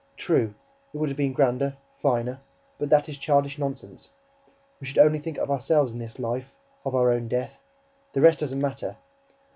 True, it would have been grander, finer ... But that is childish nonsense ... We should only think of ourselves in this life, of our own death ... the rest doesn't matter...